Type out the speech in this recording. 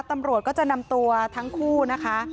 ตำรวจก็จะนำตัวทั้งคู่นะคะ